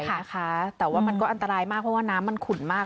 นะคะแต่ว่ามันก็อันตรายมากเพราะว่าน้ำมันขุ่นมาก